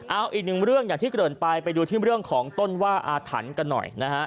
เอาอีกหนึ่งเรื่องอย่างที่เกินไปไปดูที่เรื่องของต้นว่าอาถรรพ์กันหน่อยนะฮะ